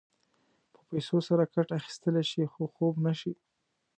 په پیسو سره کټ اخيستلی شې خو خوب نه شې.